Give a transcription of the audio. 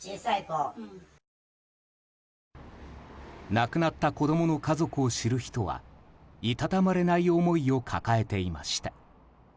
亡くなった子供の家族を知る人はいたたまれない思いを抱えていました。